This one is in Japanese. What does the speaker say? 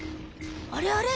あれあれ？